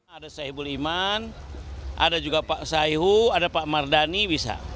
ada sahibul iman ada juga pak saihu ada pak mardani bisa